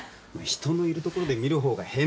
人のいるところで見る方が変態だろ。